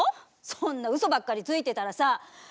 そんなうそばっかついてたらさ